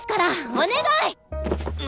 お願い！